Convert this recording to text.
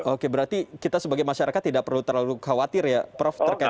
oke berarti kita sebagai masyarakat tidak perlu terlalu khawatir ya prof terkait